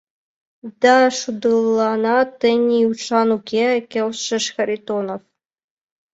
— Да, шудыланат тений ӱшан уке, — келшыш Харитонов.